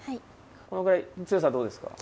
このぐらい強さどうですか？